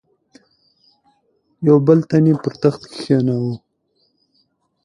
یو بل تن یې پر تخت کښېناوه.